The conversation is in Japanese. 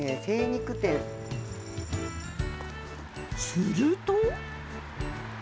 すると。